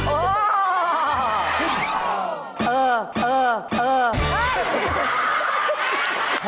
เอ่อเอ่อเอ่อ